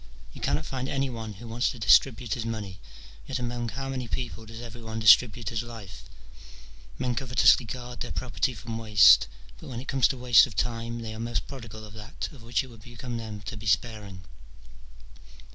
Yon cannot find any one who wants to distribute his money ; yet among how many people does every one distribute his life ? men covetously guard their property from waste, but when it comes to waste of time, they are most prodigal of that of which it would become them to be sparing.